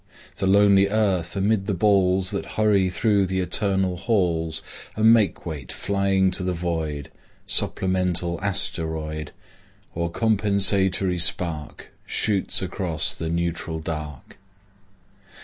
The lonely Earth amid the balls That hurry through the eternal halls, A makeweight flying to the void, Supplemental asteroid, Or compensatory spark, Shoots across the neutral Dark.